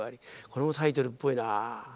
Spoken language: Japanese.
これもタイトルっぽいなあ。